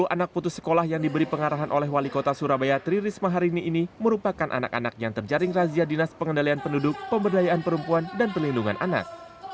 sepuluh anak putus sekolah yang diberi pengarahan oleh wali kota surabaya tri risma hari ini merupakan anak anak yang terjaring razia dinas pengendalian penduduk pemberdayaan perempuan dan perlindungan anak